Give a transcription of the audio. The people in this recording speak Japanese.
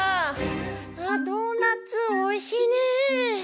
ああドーナツおいしいねえ。